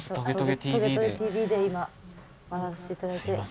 『トゲトゲＴＶ』で今回らせていただいて。